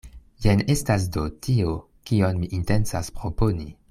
Jen estas do tio, kion mi intencas proponi.